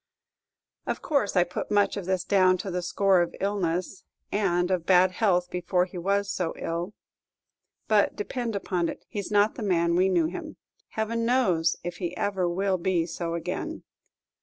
Of course I put much of this down to the score of illness, and of bad health before he was so ill; but, depend upon it, he's not the man we knew him. Heaven knows if he ever will be so again.